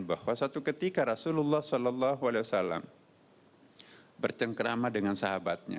bahwa suatu ketika rasulullah saw bercengkerama dengan sahabatnya